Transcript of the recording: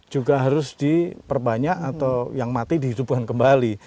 juga harus diperbanyak atau yang mati dihidupkan kembali